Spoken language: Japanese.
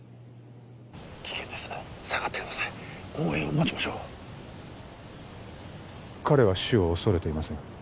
危険です下がってください応援を待ちましょう彼は死を恐れていません